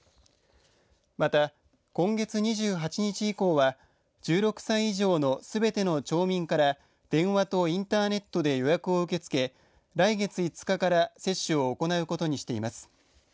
また、今月２８日以降は１６歳以上のすべての町民から電話とインターネットで予約を受け付け来月５日から接種を行うことにしています。